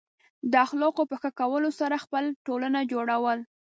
د اخلاقو په ښه کولو سره خپل ټولنه جوړول.